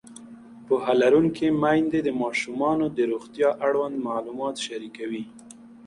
پوهه لرونکې میندې د ماشومانو د روغتیا اړوند معلومات شریکوي.